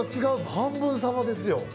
半分サバですよ。